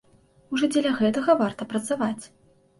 Ужо дзеля гэтага варта працаваць.